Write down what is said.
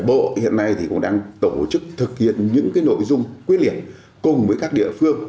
bộ hiện nay thì cũng đang tổ chức thực hiện những nội dung quyết liệt cùng với các địa phương